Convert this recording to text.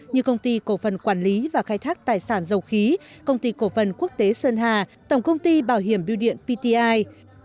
như công ty cổ phần quản lý và khai thác tài sản dầu khí công ty cổ phần quốc tế sơn hà tổng công ty bảo hiểm biêu điện pti